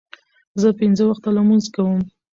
زه پنځه وخته لمونځ کوم.